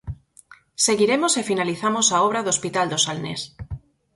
Seguiremos e finalizamos a obra do Hospital do Salnés.